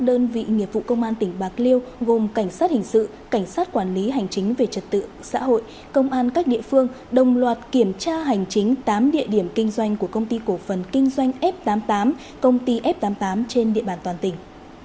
đơn vị nghiệp vụ công an tỉnh bạc liêu gồm cảnh sát hình sự cảnh sát quản lý hành chính về trật tự xã hội công an các địa phương đồng loạt kiểm tra hành chính tám địa điểm kinh doanh của công ty cổ phần kinh doanh f tám mươi tám công ty f tám mươi tám trên địa bàn toàn tỉnh